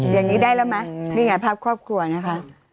อย่างนี้ได้แล้วไหมนี่ไงภาพครอบครัวนะคะ